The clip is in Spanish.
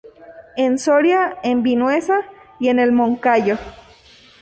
En Soria en Vinuesa y en el Moncayo.